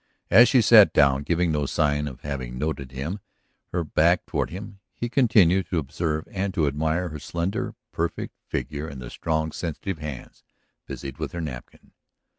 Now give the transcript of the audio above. As she sat down, giving no sign of having noted him, her back toward him, he continued to observe and to admire her slender, perfect figure and the strong, sensitive hands busied with her napkin.